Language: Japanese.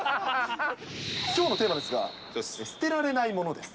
きょうのテーマですが、捨てられない物です。